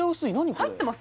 入ってます？